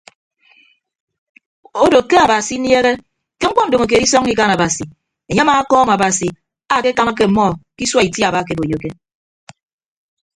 Odo ke abasi iniehe ke mkpọ ndomokeed isọññọ ikan abasi enye amaakọọm abasi akekamake ọmmọ ke isua itiaba akeboiyoke.